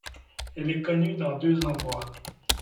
Elle est connue dans deux endroits.